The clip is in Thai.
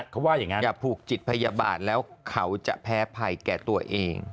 เขาว่าอย่างนั้นอย่าผูกจิตพยาบาลแล้วเขาจะแพ้ภัยแก่ตัวเอง